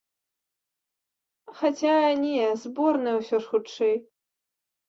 Хаця, не, зборная ўсё ж хутчэй.